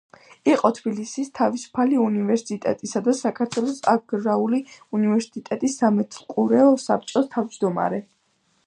იყო თბილისის თავისუფალი უნივერსიტეტისა და საქართველოს აგრარული უნივერსიტეტის სამეთვალყურეო საბჭოს თავმჯდომარე.